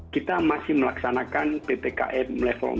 kita masih melaksanakan ppkm level empat